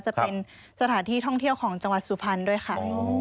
จะเป็นสถานที่ท่องเที่ยวของจังหวัดสุพรรณด้วยค่ะ